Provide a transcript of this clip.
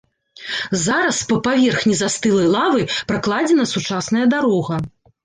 Зараз па паверхні застылай лавы пракладзена сучасная дарога.